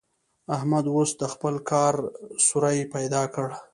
احمد اوس د خپل کار سوری پيدا کړ.